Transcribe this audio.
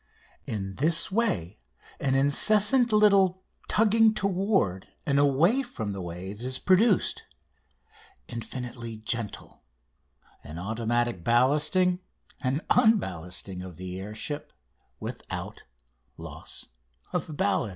In this way an incessant little tugging toward and away from the waves is produced, infinitely gentle, an automatic ballasting and unballasting of the air ship without loss of ballast.